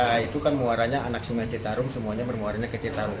ya itu kan muaranya anak sungai citarum semuanya bermuaranya ke citarum